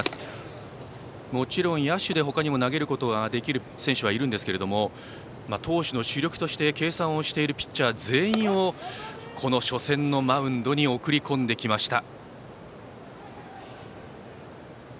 もちろん、野手で他にも投げることはできる選手いますが投手の主力として計算しているピッチャー全員をこの初戦のマウンドに送り込んできました。